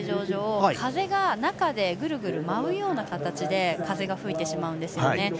上風が中でぐるぐる舞うような形で風が吹いてしまうんですよね。